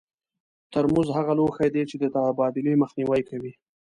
ترموز هغه لوښي دي چې د تبادلې مخنیوی کوي.